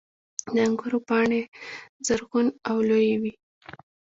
• د انګورو پاڼې زرغون او لویې وي.